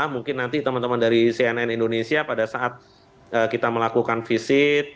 mungkin nanti teman teman dari cnn indonesia pada saat kita melakukan visit